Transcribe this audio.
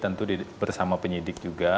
tentu bersama penyidik juga